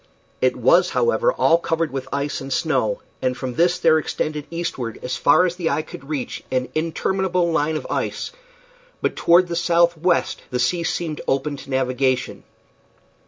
It was, however, all covered with ice and snow, and from this there extended eastward as far as the eye could reach an interminable line of ice, but toward the southwest the sea seemed open to navigation.